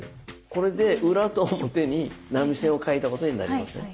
これで裏と表に波線を書いたことになりますね。